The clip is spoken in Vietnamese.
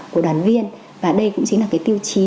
của đoàn viên và đây cũng chính là tiêu chí